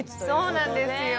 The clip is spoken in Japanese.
そうなんですよ。